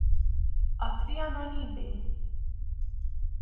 A trianoni b